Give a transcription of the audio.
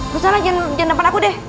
lusana jangan dapet aku deh